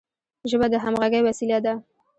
ژبه د همږغی وسیله ده.